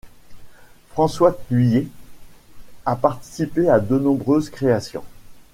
François Thuillier a participé à de nombreuses créations.